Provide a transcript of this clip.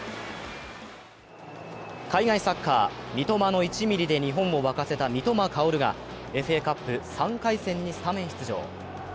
海外サッカー、三笘の１ミリで日本を沸かせた三笘薫がＦＡカップ３回戦にスタメン出場。